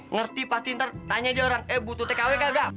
ngerti pasti ntar tanya dia orang eh butuh tkw nggak nggak